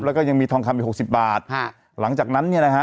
แล้วก็ยังมีทองคำเป็น๖๐บาทหลังจากนั้นเนี่ยนะฮะ